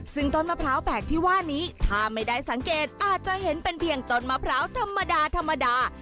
ซึ่งต้นมะพร้าวแปลกที่ว่านี้ถ้าไม่ได้สังเกตอาจจะเห็นเป็นเพียงต้นมะพร้าวธรรมดาธรรมดา